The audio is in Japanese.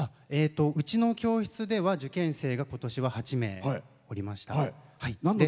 うちの教室では受験生が今年は８名おりました。